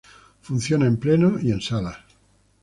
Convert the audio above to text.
Funciona en Pleno y en Salas.